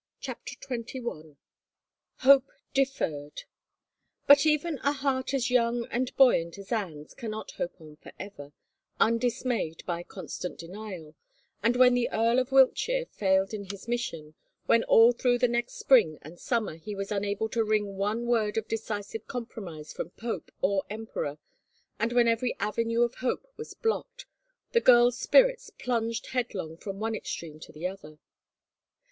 CHAPTER XXI HOPE DEFERRED UT even a heart as young and buoyant as Anne's cannot hope on forever, undismayed by constant denial, and when the Earl of Wiltshire failed in his mission, when all through the next spring and summer he was unable to wring one word of decisive compromise from pope or emperor, and when every avenue of hope was blocked, the girl's spirits plunged headlong from one extreme to the other.